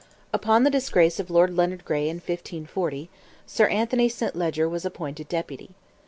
Upon the disgrace of Lord Leonard Gray in 1540, Sir Anthony St. Leger was appointed Deputy.